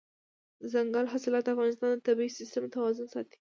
دځنګل حاصلات د افغانستان د طبعي سیسټم توازن ساتي.